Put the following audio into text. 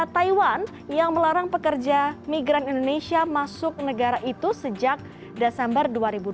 taiwan yang melarang pekerja migran indonesia masuk negara itu sejak desember dua ribu dua puluh